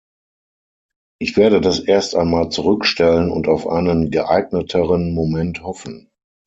Ich werde das erst einmal zurückstellen und auf einen geeigneteren Moment hoffen.